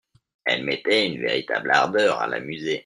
Elle mettait une véritable ardeur à l'amuser.